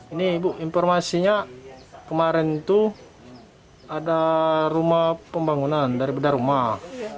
ini ibu informasinya kemarin itu ada rumah pembangunan dari bedah rumah